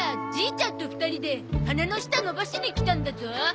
ちゃんと２人で鼻の下伸ばしに来たんだゾ。